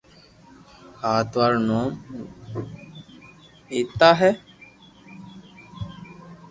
ھاتوا رو نوم ببتا ھي